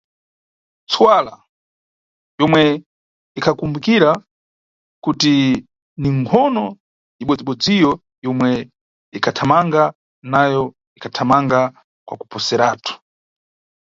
Ntsuwala, yomwe ikhakumbukira kuti ni nkhono ibodzi-bodziyo yomwe inkhathamanga nayo, ikhathamanga kwa kuposeratu.